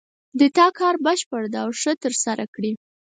د تا کار بشپړ ده او ښه د ترسره کړې